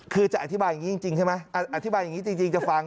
คือจะอธิบายอย่างนี้จริงใช่ไหมอธิบายอย่างนี้จริงจะฟัง